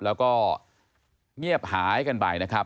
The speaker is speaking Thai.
แล้วก็เงียบหายกันไปนะครับ